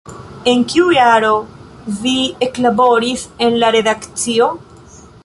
En kiu jaro vi eklaboris en la redakcio?